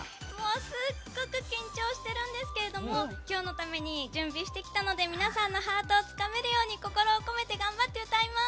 すっごく緊張してるんですけども今日のために準備してきたので皆さんのハートをつかめるように心を込めて頑張って歌います！